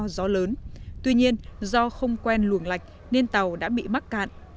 gió lớn tuy nhiên do không quen luồng lạch nên tàu đã bị mắc cạn